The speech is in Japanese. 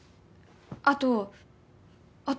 あとあと。